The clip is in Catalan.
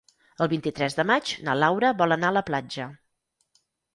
El vint-i-tres de maig na Laura vol anar a la platja.